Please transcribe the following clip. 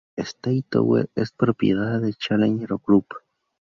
State Tower es propiedad de Challenge Group.